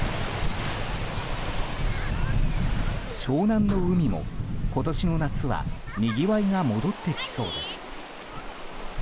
湘南の海も今年の夏はにぎわいが戻ってきそうです。